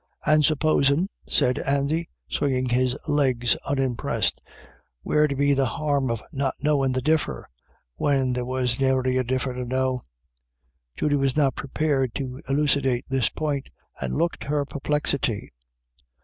"And supposin* ?" said Andy, swinging his legs unimpressed, " where'd be the harm of not knowin' the differ, when there was nary a differ to know ?" Judy was not prepared to elucidate this point, and looked her perplexity.